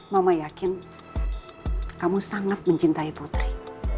mama yakin kamu sangat mencintai putri